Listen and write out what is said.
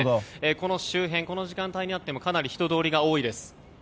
この周辺、この時間帯になってもかなり人通りが多いです。